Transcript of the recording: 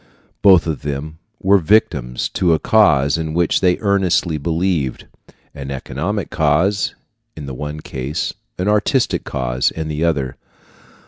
Both of them were victims to a cause in which they earnestly believed an economic cause in the one case, an artistic cause in the other.